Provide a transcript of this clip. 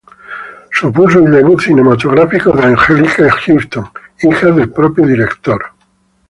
Supuso el debut cinematográfico de Anjelica Huston, hija del propio director.